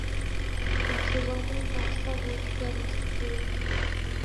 Mzi ghwa Mombasa ghochua misikiti.